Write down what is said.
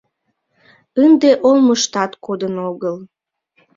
Ынде олмыштат кодын огыл.